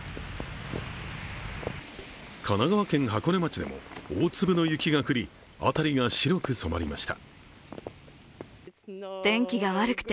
神奈川県箱根町でも、大粒の雪が降り、辺りが白く染まりました。